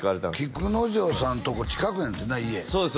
菊之丞さんとこ近くやねんてな家そうです